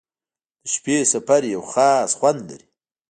• د شپې سفر یو خاص خوند لري.